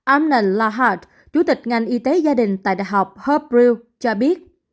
amnon lahart chủ tịch ngành y tế gia đình tại đại học hopeville cho biết